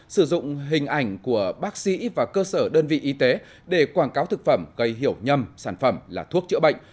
sử dụng hình ảnh của bác sĩ và cơ sở đơn vị y tế để quảng cáo thực phẩm gây hiểu nhầm sản phẩm là thuốc chữa bệnh